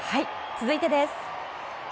続いてです。